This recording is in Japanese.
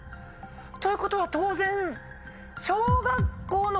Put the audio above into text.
ということは当然。